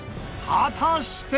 果たして。